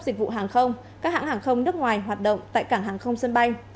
dịch vụ hàng không các hãng hàng không nước ngoài hoạt động tại cảng hàng không sân bay